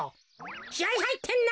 きあいはいってんな！